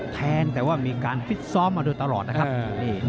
แทนท์แต่ว่ามีการฟิศซอมมาดูตลอดครับ